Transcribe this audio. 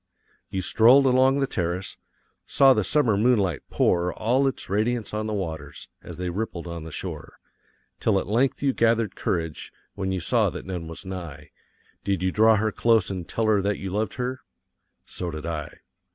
So you strolled along the terrace, saw the summer moonlight pour all its radiance on the waters, as they rippled on the shore, till at length you gathered courage, when you saw that none was nigh did you draw her close and tell her that you loved her? So did I.